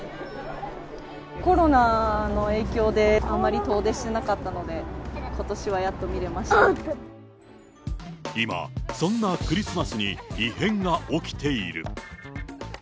コロナの影響で、あまり遠出してなかったので、今、そんなクリスマスに異変が起きている。